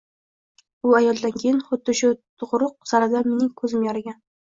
U ayoldan keyin xuddi shu tug`uruq zalida mening ko`zim yorigan